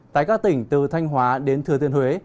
tại các tỉnh từ thanh hóa đến thừa thiên huế